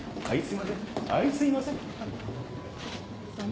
あいすいません。